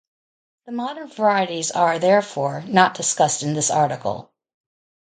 The modern varieties are, therefore, not discussed in this article.